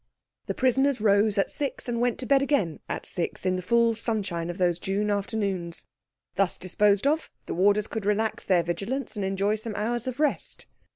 The prisoners rose at six, and went to bed again at six, in the full sunshine of those June afternoons. Thus disposed of, the warders could relax their vigilance and enjoy some hours of rest.